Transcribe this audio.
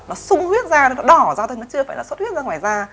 nó sung huyết ra nó đỏ ra thôi nó chưa phải là xuất huyết ra ngoài da